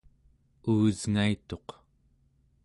uusngaituq